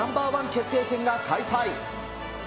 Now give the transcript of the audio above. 決定戦が開催。